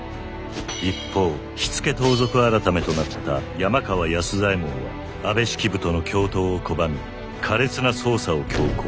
一方火付盗賊改となった山川安左衛門は安部式部との共闘を拒み苛烈な捜査を強行。